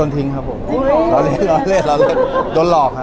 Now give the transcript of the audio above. ไหมล่ะครับผมร้อนเร็นร้อนเร็นไม่มีร้อนเร็นร้อนเร็น